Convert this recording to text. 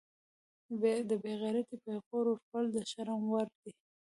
د بیغیرتۍ پیغور ورکول د شرم وړ دي